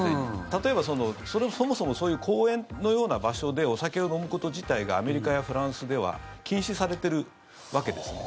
例えば、そもそもそういう公園のような場所でお酒を飲むこと自体がアメリカやフランスでは禁止されてるわけですね。